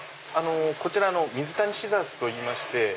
こちらミズタニシザーズといいまして。